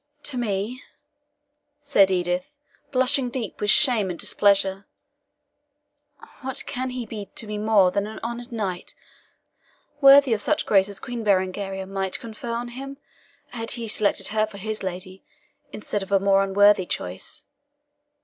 "To me?" said Edith, blushing deep with shame and displeasure. "What can he be to me more than an honoured knight, worthy of such grace as Queen Berengaria might confer on him, had he selected her for his lady, instead of a more unworthy choice?